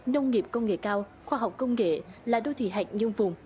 nông nghiệp công nghệ cao khoa học công nghệ là đô thị hạt nhân vùng